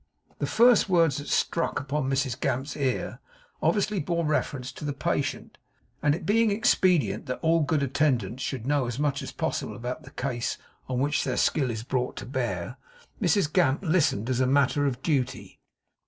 The first words that struck upon Mrs Gamp's ear obviously bore reference to the patient; and it being expedient that all good attendants should know as much as possible about the case on which their skill is brought to bear, Mrs Gamp listened as a matter of duty.